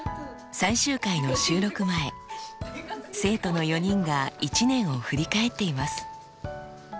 最終回の収録前生徒の４人が１年を振り返っています。